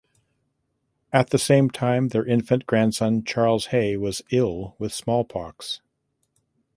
At the same time their infant grandson Charles Hay was ill with smallpox.